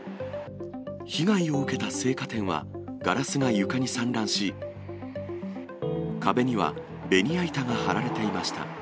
被害を受けた青果店は、ガラスが床に散乱し、壁にはベニヤ板が張られていました。